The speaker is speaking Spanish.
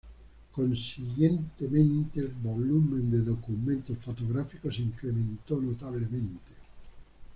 Consiguientemente, el volumen de documentos fotográficos se incrementó notablemente.